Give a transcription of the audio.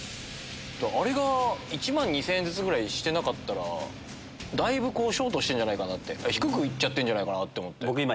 あれが１万２０００円ずつぐらいしてなかったらだいぶショートしてんじゃないかな低く行っちゃってんじゃないかな。